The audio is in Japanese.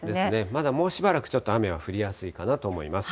まだもうしばらくちょっと雨は降りやすいかなと思います。